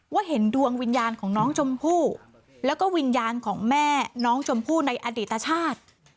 เห็นดวงวิญญาณของน้องชมพู่แล้วก็วิญญาณของแม่น้องชมพู่ในอดีตชาติ